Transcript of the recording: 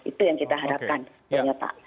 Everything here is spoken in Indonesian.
itu yang kita harapkan ternyata